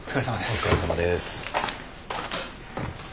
お疲れさまです。